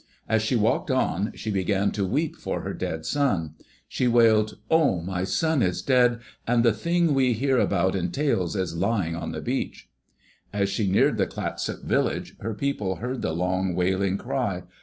As she walked on, she began to weep for her dead son. She wailed, "Oh, my son is dead, and the Thing we hear about in tales is lying on the beach I'* As she neared the Clatsop village, her people heard the long, wailing cry.